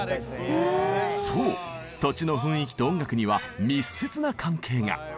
そう土地の雰囲気と音楽には密接な関係が。